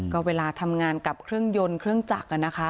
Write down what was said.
ก็เวลาทำงานกับเครื่องยนต์เครื่องจักรนะคะ